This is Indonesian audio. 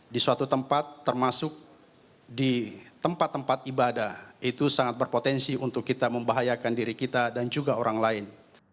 di suatu tempat termasuk di tempat tempat ibadah itu sangat berpotensi untuk kita membahayakan diri kita dan juga orang lain